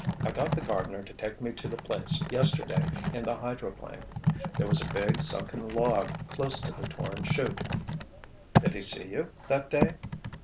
I got the gardener to take me to the place, yesterday, in the hydroplane. There was a big, sunken log close to the torn 'chute." "Did he see you, that day?"